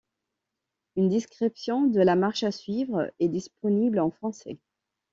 Une description de la marche à suivre est disponible en français.